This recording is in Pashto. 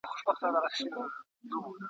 پورته والوتل پوځونه د مرغانو `